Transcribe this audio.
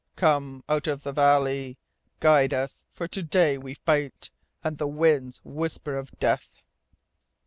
Come from out of the valley. Guide us for to day we fight, And the winds whisper of death!